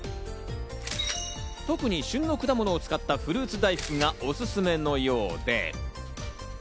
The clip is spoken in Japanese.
特に旬の果物を使ったフルーツ大福がおすすめのようで。